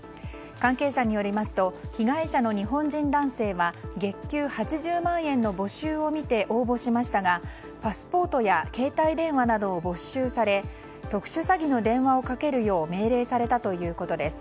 関係者によりますと被害者の日本人男性は月給８０万円の募集を見て応募しましたがパスポートや携帯電話などを没収され特殊詐欺の電話をかけるよう命令されたということです。